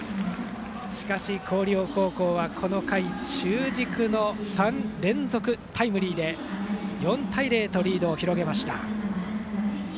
しかし広陵高校はこの回中軸の３連続タイムリーで４対０とリードを広げました。